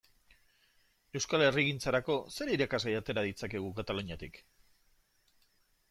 Euskal herrigintzarako zer irakasgai atera ditzakegu Kataluniatik?